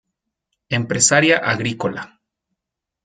Empresaria agrícola.